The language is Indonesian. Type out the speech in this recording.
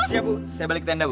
siap bu saya balik ke tenda bu